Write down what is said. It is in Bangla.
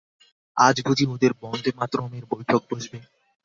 আজ বুঝি ওদের বন্দেমাতরমের বৈঠক বসবে।